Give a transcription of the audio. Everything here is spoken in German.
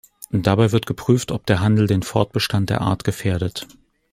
Dabei wird geprüft, ob der Handel den Fortbestand der Art gefährdet.